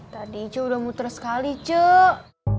tadi cuk udah muter sekali cuk